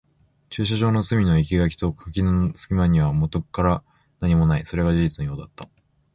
駐車場の隅の生垣と壁の隙間にはもとから何もない。それが事実のようだった。